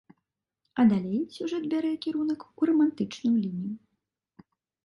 А далей сюжэт бярэ кірунак у рамантычную лінію.